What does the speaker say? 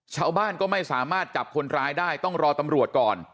ชาวบ้านก็ไม่สามารถจับคนร้ายได้ต้องรอตำรวจก่อน